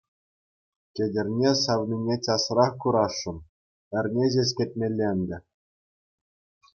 Кӗтерне савнине часрах курасшӑн, эрне ҫеҫ кӗтмелле ӗнтӗ.